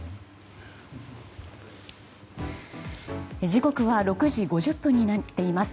時刻は６時５０分になっています。